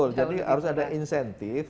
betul jadi harus ada insentif